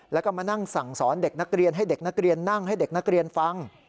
แล้วก็มานั่งสั่งสอนเด็กนักเรียนให้เด็กนักเรียนนั่งให้เด็กนักเรียนฟัง